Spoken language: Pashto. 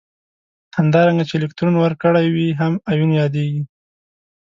همدارنګه چې الکترون ورکړی وي هم ایون یادیږي.